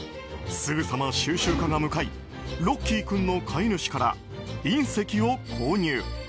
すぐさま収集家が向かいロッキー君の飼い主から隕石を購入。